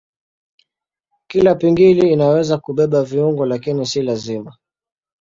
Kila pingili inaweza kubeba viungo lakini si lazima.